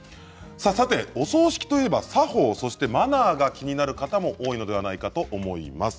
お葬式といえば作法やマナーが気になる方も多いのではないかと思います。